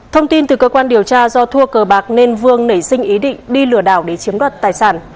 thông tin từ cơ quan điều tra do thua cờ bạc nên vương nảy sinh ý định đi lừa đảo để chiếm đoạt tài sản